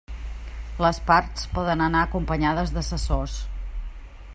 Les parts poden anar acompanyades d'assessors.